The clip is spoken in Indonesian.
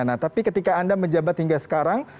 nah tapi ketika anda menjabat hingga sekarang